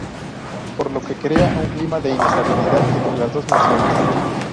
Por lo que crea un clima de inestabilidad entre las dos naciones.